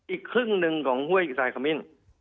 อีกครึ่งหนึ่งของห้วยอิทรายขมิ้น